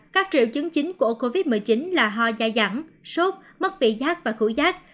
các triệu chứng chính của covid một mươi chín là ho dài dẳm sốt mất vị giác và khủy giác